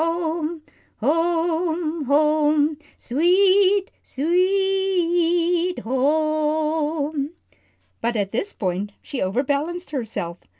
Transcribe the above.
Home, home, sweet, s we e e t ho o o me," but at this point she overbalanced herself.